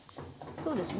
そうですね